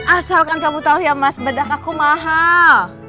asalkan kamu tahu ya mas bedak aku mahal